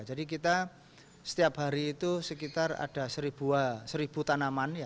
jadi kita setiap hari itu sekitar ada seribu tanaman